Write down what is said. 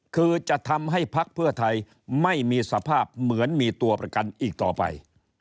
คือจะทำให้พักเพื่อไทยไม่มีสภาพเหมือนมีตัวประกันอีกต่อไป